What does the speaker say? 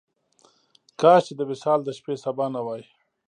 کاش چې د وصال د شپې سبا نه وای.